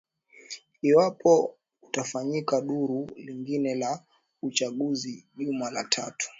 iwapo kutafanyika duru lingine la uchaguzi juma la tatu